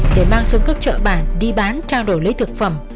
để mang xuống các chợ bản đi bán trao đổi lấy thực phẩm